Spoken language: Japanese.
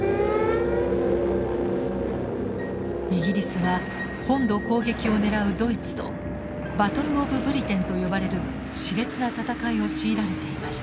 イギリスは本土攻撃を狙うドイツとバトル・オブ・ブリテンと呼ばれるしれつな戦いを強いられていました。